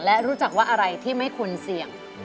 และรู้จักว่าอะไรที่ไม่ควรเสี่ยง